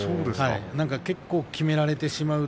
結構きめられてしまう。